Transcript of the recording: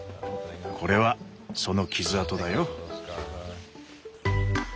これはその傷痕だよ。